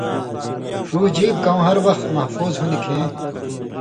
ݜُو ژیب کؤں وخ ہریۡ محفوظ ہُوندیۡ کھیں